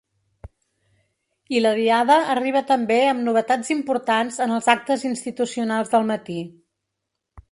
I la Diada arriba també amb novetats importants en els actes institucionals del matí.